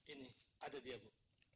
ini ada dia bu